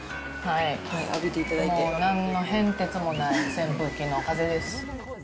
はい、もうなんの変哲もない扇風機の風です。